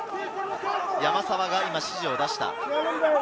山沢が今、指示を出した。